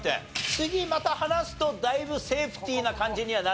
次また離すとだいぶセーフティーな感じにはなるんですがね。